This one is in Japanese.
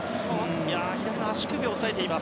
左足首を押さえています。